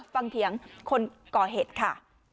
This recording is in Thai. เถียงคนก่อเหตุค่ะ